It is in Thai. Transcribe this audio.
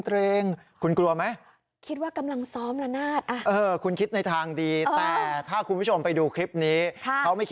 ร้านราษะที่ดำเองดีไปดูใกล้